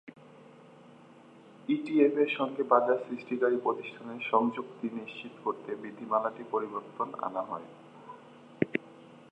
ইটিএফের সঙ্গে বাজার সৃষ্টিকারী প্রতিষ্ঠানের সংযুক্তি নিশ্চিত করতে বিধিমালাটিতে পরিবর্তন আনা হয়।